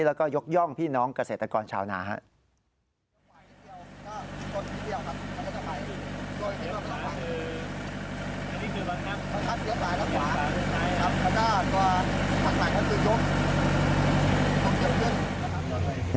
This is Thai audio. แล้วก็ยกย่องพี่น้องเกษตรกรชาวนาครับ